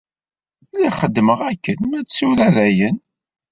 Lliɣ xeddmeɣ akken, ma d tura dayen.